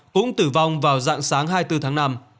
cũng tử vong vào dạng sáng hai mươi bốn tháng năm